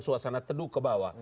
suasana teduh ke bawah